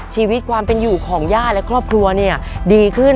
ชีวิตความเป็นอยู่ของญาติและครอบครัวเนี่ยดีขึ้น